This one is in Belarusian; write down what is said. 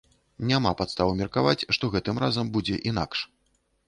Няма падстаў меркаваць, што гэтым разам будзе інакш.